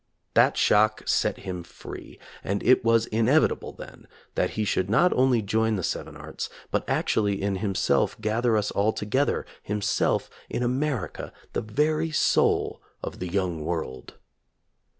That shock set him free, and it was inevitable then that he should not only join The Seven Arts but actually in himself gather us all together, himself, in America, the very soul of "the young world."